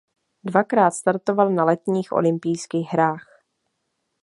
Dvakrát startoval na letních olympijských hrách.